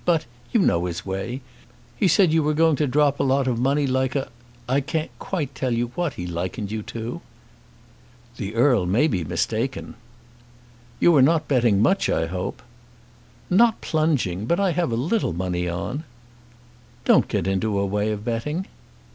But, you know his way, he said you were going to drop a lot of money like a I can't quite tell you what he likened you to." "The Earl may be mistaken." "You are not betting much, I hope." "Not plunging. But I have a little money on." "Don't get into a way of betting."